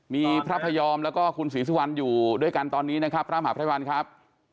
มีพระพยอมแล้วก็คุณศรีสุวรรณอยู่ด้วยกันตอนนี้นะครับพระมหาภัยวันครับ